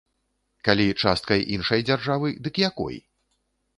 Калі часткай іншай дзяржавы, дык якой?